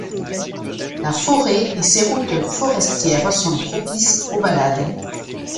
La forêt et ses routes forestières sont propices aux balades.